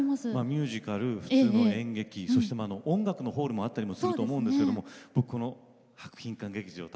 ミュージカル普通の演劇そして音楽のホールもあったりもすると思うんですけども僕博品館劇場立ったことあります